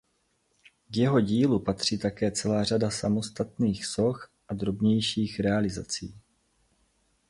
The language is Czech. K jeho dílu patří také celá řada samostatných soch a drobnějších realizací.